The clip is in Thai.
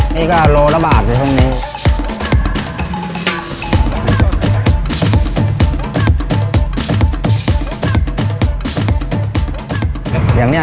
นี่ก็โลละบาทเลยช่วงนี้